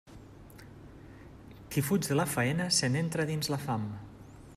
Qui fuig de la faena, se n'entra dins la fam.